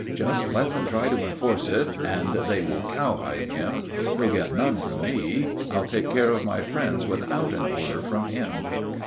"Just let him try to enforce it and they will cowhide him. He'll get none from me. I'll take care of my friends without an order from him."